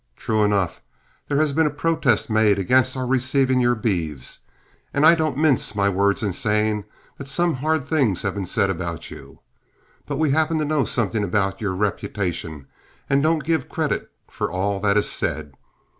True enough, there has been a protest made against our receiving your beeves, and I don't mince my words in saying that some hard things have been said about you. But we happen to know something about your reputation and don't give credit for all that is said.